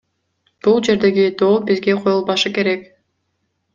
Бул жердеги доо бизге коюлбашы керек.